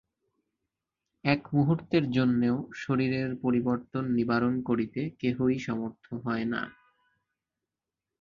এক মুহূর্তের জন্যও শরীরের পরিবর্তন নিবারণ করিতে কেহই সমর্থ হয় না।